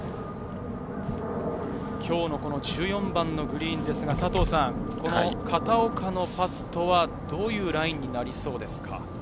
今日の１４番のグリーンですが、片岡のパットはどういうラインになりそうですか？